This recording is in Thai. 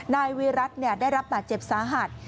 นายวีรัติได้รับบาดเจ็บสาหัส